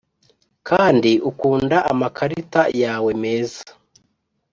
kandi ukunda amakarita yawe meza.